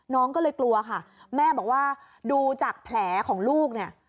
น้องก็เลยกลัวค่ะแม่บอกว่าดูจากแผลของลูกเนี่ย